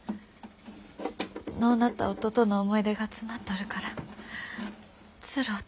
亡うなった夫との思い出が詰まっとるからつろうて。